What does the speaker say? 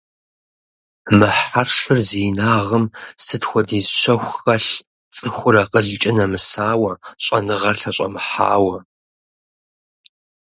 Мы хьэршыр зи инагъым сыт хуэдиз щэху хэлъ, цӀыхур акъылкӀэ нэмысауэ, щӀэныгъэр лъэщӀэмыхьауэ!